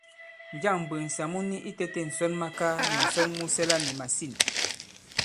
Njâŋ m̀mbwèŋsà mu ni itētē ǹsɔnmakaa nì ǹsɔn mu sɛla nì màsîn?